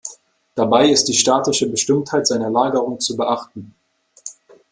Dabei ist die statische Bestimmtheit seiner Lagerung zu beachten.